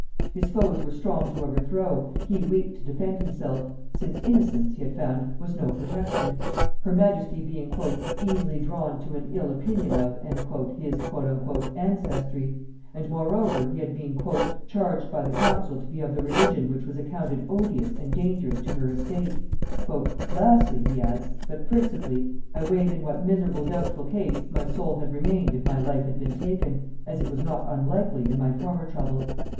His foes were strong to overthrow, he weak to defend himself, since innocence, he had found, was no protection; her majesty being "easily drawn to an ill opinion of" his "ancestry;" and moreover, he had been "charged by the council to be of the religion which was accounted odious and dangerous to her estate." "Lastly," he adds, "but principally, I weighed in what miserable doubtful case my soul had remained if my life had been taken, as it was not unlikely, in my former troubles.